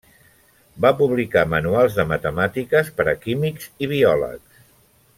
Va publicar manuals de matemàtiques per a químics i biòlegs.